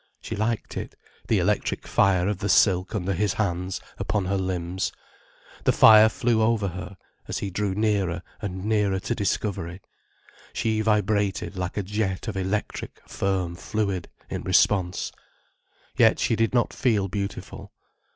She liked it, the electric fire of the silk under his hands upon her limbs, the fire flew over her, as he drew nearer and nearer to discovery. She vibrated like a jet of electric, firm fluid in response. Yet she did not feel beautiful.